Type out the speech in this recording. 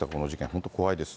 本当、怖いです。